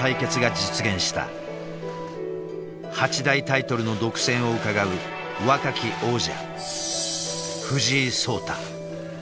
８大タイトルの独占をうかがう若き王者藤井聡太。